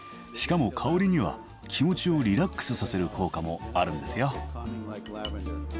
しかも香りには気持ちをリラックスさせる効果もあるんですよ。